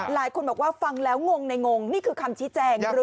หลายคนบอกว่าฟังแล้วงงในงงนี่คือคำชี้แจง